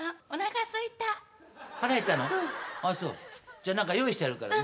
じゃあ何か用意してやるからな。